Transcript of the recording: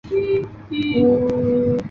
当地有一同名天然气田。